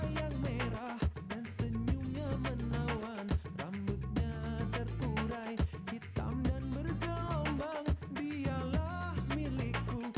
yang merah dan senyumnya menawan rambutnya terurai hitam dan berkembang dialah milikku